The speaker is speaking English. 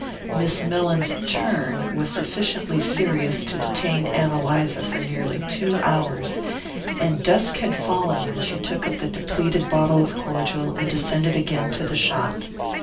Miss Mellins' "turn" was sufficiently serious to detain Ann Eliza for nearly two hours, and dusk had fallen when she took up the depleted bottle of cordial and descended again to the shop.